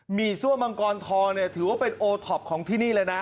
ี่ซั่วมังกรทองเนี่ยถือว่าเป็นโอท็อปของที่นี่เลยนะ